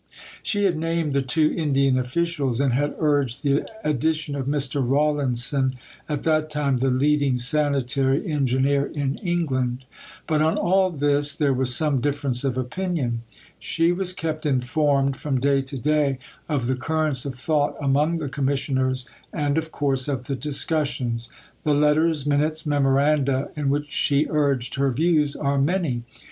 She had named the two Indian officials, and had urged the addition of Mr. Rawlinson, at that time the leading sanitary engineer in England. But on all this there was some difference of opinion. She was kept informed from day to day of the currents of thought among the Commissioners, and of the course of the discussions. The letters, minutes, memoranda in which she urged her views are many.